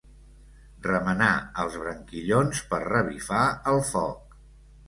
Remenar els branquillons per revifar el foc.